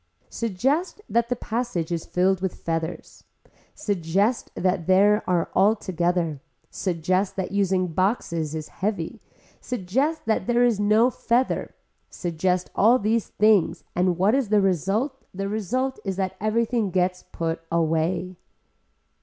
Suggest that the passage is filled with feathers, suggest that there are all together, suggest that using boxes is heavy, suggest that there is no feather, suggest all these things and what is result the result is that everything gets put away.